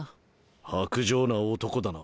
薄情な男だな。